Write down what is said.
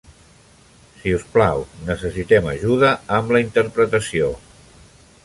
Si us plau, necessitem ajuda amb la interpretació.